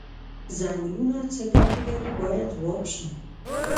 څنګلونه څه ګټې لري باید ځواب شي.